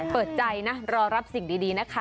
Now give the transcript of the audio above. เปิดใจนะรอรับสิ่งดีนะคะ